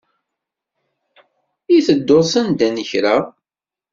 I teddud sanda n kra?